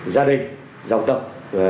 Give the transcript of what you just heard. gia đình dòng tập